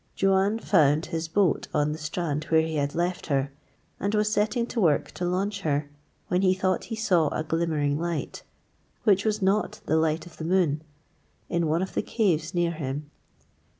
Juan found his boat on the strand where he had left her and was setting to work to launch her, when he thought he saw a glimmering light, which was not the light of the moon, in one of the caves near him.